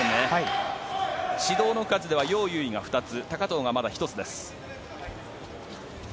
指導の数ではヨウ・ユウイが２つ高藤がまだ１つです。